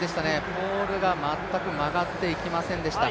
ポールが全く曲がっていきませんでした。